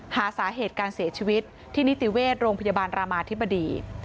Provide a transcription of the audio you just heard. หาสาเหตุการเสียชีวิตที่นิติเวชโรงพยาบาลรามาธิบดี